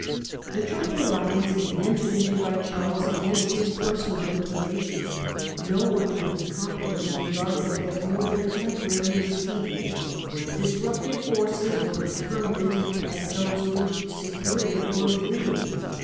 The Triple Alliance had been entered into by Charles against his personal inclinations. No one in his con Causestcnd fidence regarded it as more than a tempo ilpthe Triple rar y ex P e di en b for the disruptive forces were Alliance. as permanent as those which secured it were fleeting.